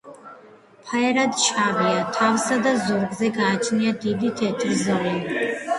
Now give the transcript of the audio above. ფერად შავია, თავსა და ზურგზე გააჩნია დიდი თეთრი ზოლი.